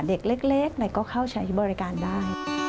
เด็กเล็กก็เข้าใช้บริการได้